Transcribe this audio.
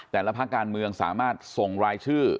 แต่ละภาคการเมืองสามารถส่งรายชื่อ